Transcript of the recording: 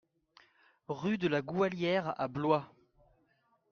Rue de la Goualière à Blois